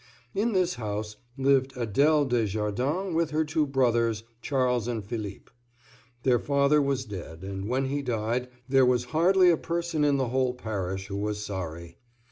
In this house lived Adèle Desjardin with her two brothers, Charles and Philippe. Their father was dead, and when he died there was hardly a person in the whole parish who was sorry.